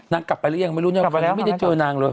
นางกลับไปหรือยังไม่รู้เนี่ยกับมีใครจะเจอนางเลย